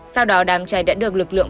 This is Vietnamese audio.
sau đó đám cháy đã được lực lượng